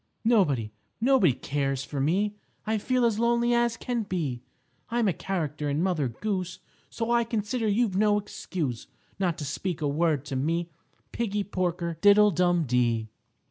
"_Nobody, nobody cares for me, I feel as lonely as can be. I'm a character in Mother Goose, So I consider you've no excuse Not to speak a word to me, Piggie Porker, diddle dum dee.